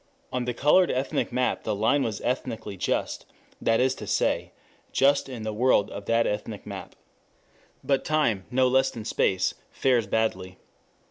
On the colored ethnic map the line was ethnically just, that is to say, just in the world of that ethnic map. 4 But time, no less than space, fares badly.